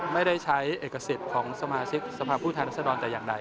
ไม่ได้ใช้เอกสิทธิ์ของสมาชิกสภาพผู้แทนรัศดรแต่อย่างใด